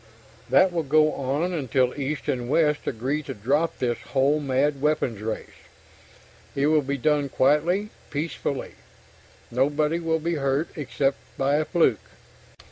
That will go on until East and West agree to drop this whole mad weapons race. It will be done quietly, peacefully. Nobody will be hurt except by a fluke.